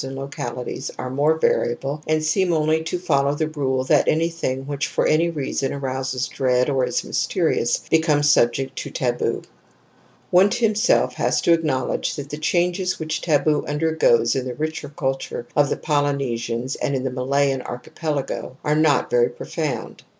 jand localities, are more variable and seem only to follow the rule that anything which for any reason arouses dread or is mystexiPHjs^ becomes subject to taboo, Wundt himself has to acknowledge that the changes which taboo undergoes in the richer culture of the Polynesians and in the Malayan Archipelago are not very profound.